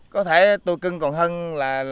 có thể tôi cưng còn hơn là